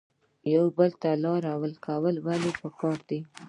یو بل ته لار ورکول ولې پکار دي؟